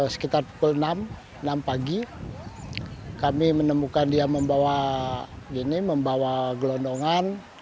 sekitar pukul enam enam pagi kami menemukan dia membawa gelondongan